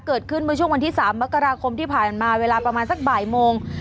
เกิดขึ้นเมื่อช่วงวันที่๓มกราคมที่ผ่านมาเวลาประมาณสักบ่ายโมง